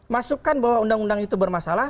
masukkan bahwa undang undang itu bermasalah